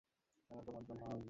আমি বেরিয়ে এসেছি।